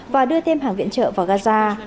và đưa thêm hàng viện trợ vào gaza